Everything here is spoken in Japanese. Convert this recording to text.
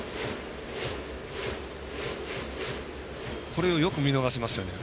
これをよく見逃せますよね。